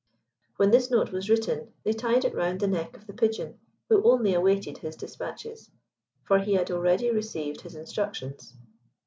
When this note was written, they tied it round the neck of the Pigeon, who only awaited his dispatches, for he had already received his instructions.